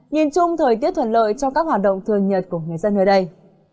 nhìn chung thời tiết thuận lợi cho các hoạt động thường nhật của người dân nơi đây